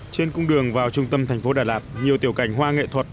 trên cung đường vào trung tâm thành phố đà lạt nhiều tiểu cảnh hoa nghệ thuật